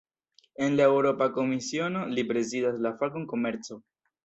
En la Eŭropa Komisiono, li prezidas la fakon "komerco".